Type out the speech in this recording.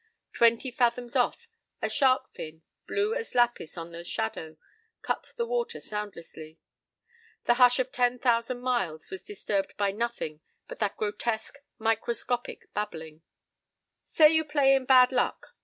Twenty fathoms off a shark fin, blue as lapis in the shadow, cut the water soundlessly. The hush of ten thousand miles was disturbed by nothing but that grotesque, microscopic babbling: "Say you play in bad luck.